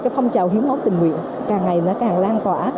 phong trào hiến máu tình nguyện càng ngày càng lan tỏa